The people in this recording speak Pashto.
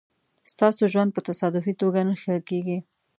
ستاسو ژوند په تصادفي توګه نه ښه کېږي.